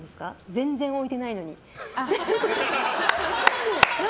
全然置いてないのに。